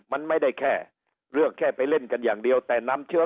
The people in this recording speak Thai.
มันไม่ได้แค่เลือกแค่ไปเล่นกันอย่างเดียวแต่นำเชื้อ